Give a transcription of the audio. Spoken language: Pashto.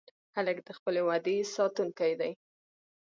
هلک د خپلې وعدې ساتونکی دی.